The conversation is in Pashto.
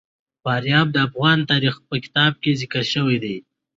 فاریاب د افغان تاریخ په کتابونو کې ذکر شوی دي.